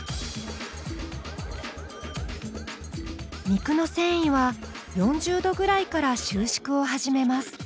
肉の繊維は４０℃ぐらいから収縮を始めます。